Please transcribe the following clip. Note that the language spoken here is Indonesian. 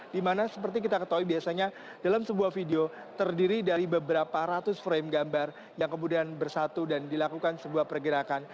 dimana seperti kita ketahui biasanya dalam sebuah video terdiri dari beberapa ratus frame gambar yang kemudian bersatu dan dilakukan sebuah pergerakan